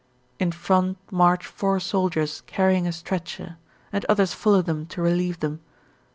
In front march four soldiers carrying a stretcher, and others follow them to relieve them.